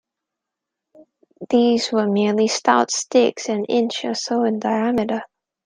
These were merely stout sticks an inch or so in diameter.